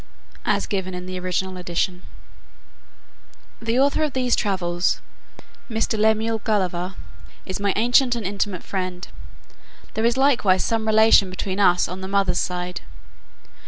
[As given in the original edition.] The author of these Travels, Mr. Lemuel Gulliver, is my ancient and intimate friend; there is likewise some relation between us on the mother's side.